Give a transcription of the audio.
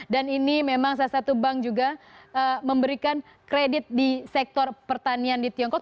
dan ini memang salah satu bank juga memberikan kredit di sektor pertanian di tiongkok